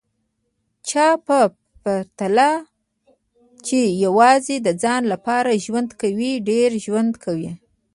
چا په پرتله چي یوازي د ځان لپاره ژوند کوي، ډېر ژوند کوي